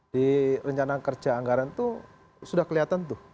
di rencana kerja anggaran itu sudah kelihatan tuh